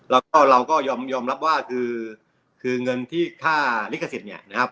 แล้วก็เราก็ยอมรับว่าคือเงินที่ค่าลิขสิทธิ์เนี่ยนะครับ